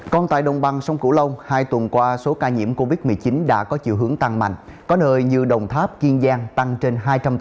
còn tại đồng bằng sông cửu long hai tuần qua số ca nhiễm covid một mươi chín đã có chiều hướng tăng mạnh có nơi như đồng tháp kiên giang tăng trên hai trăm linh